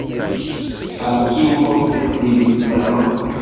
Al kiu ofte skribis Karlo?